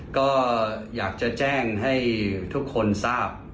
ก็อยากจะแจ้งให้ทุกคนทราบ